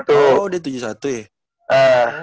oh dia tujuh puluh satu ya